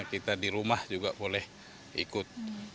kita di rumah juga boleh ikut